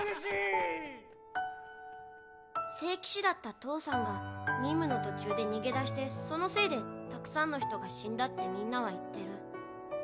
聖騎士だった父さんが任務の途中で逃げ出してそのせいでたくさんの人が死んだってみんなは言ってる。